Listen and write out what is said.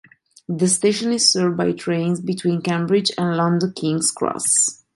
The station is served by trains between Cambridge and London King's Cross.